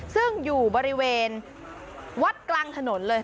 ซึ่งอยู่บริเวณวัดกลางถนนเลย